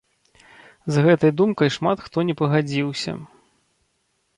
З гэтай думкай шмат хто не пагадзіўся.